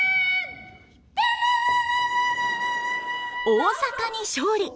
大阪に勝利！